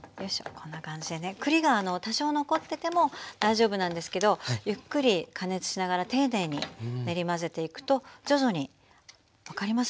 こんな感じでね栗が多少残ってても大丈夫なんですけどゆっくり加熱しながら丁寧に練り混ぜていくと徐々に分かります？